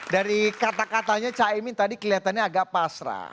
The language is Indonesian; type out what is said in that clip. dari kata katanya cak imin tadi kelihatannya agak pasrah